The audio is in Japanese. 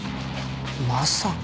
まさか。